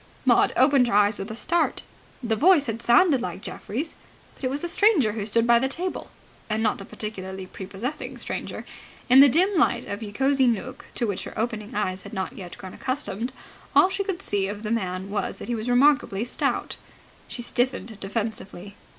Maud opened her eyes with a start. The voice had sounded like Geoffrey's. But it was a stranger who stood by the table. And not a particularly prepossessing stranger. In the dim light of Ye Cosy Nooke, to which her opening eyes had not yet grown accustomed, all she could see of the man was that he was remarkably stout. She stiffened defensively.